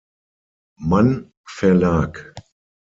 Mann Verlag.